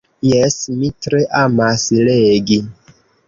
Jes, mi tre amas legi.